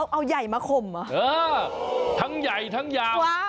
เอาใหญ่มาคมอ่ะทั้งใหญ่ทั้งยาว